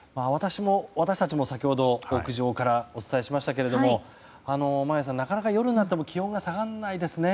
私たちも先ほど屋上からお伝えしましたけれども眞家さん、なかなか夜になっても気温が下がらないですね。